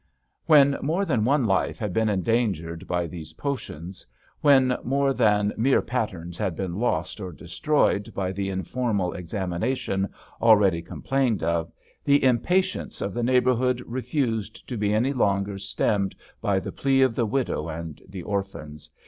When more than one life had been endangered by these potions, when more than 54 THE LITTLE SHOP mere patterns had been lost or destroyed by the informal examination already com plained of, the impatience of the neighbour hood refused to be any longer stemmed by the plea of the widow and the orphans.